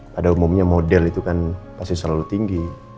pada umumnya model itu kan pasti selalu tinggi